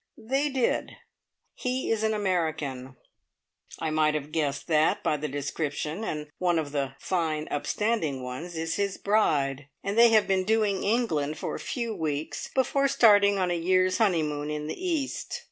They did. He is an American. I might have guessed that by the description, and one of the "fine upstanding ones" is his bride, and they have been "doing" England for a few weeks, before starting on a year's honeymoon in the East.